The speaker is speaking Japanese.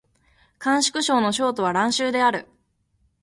甘粛省の省都は蘭州である